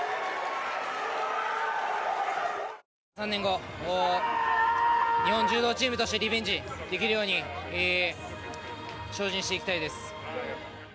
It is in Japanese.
３年後、日本柔道チームとしてリベンジできるように、精進していきたいです。